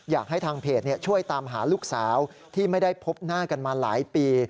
อยากให้ทางเพจช่วยตามหาลูกสาวที่ไม่ได้พบหน้ากันมาหลายปี